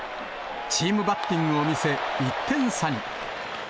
チームバッティングを見せ、１点差に。